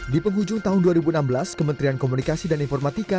di penghujung tahun dua ribu enam belas kementerian komunikasi dan informatika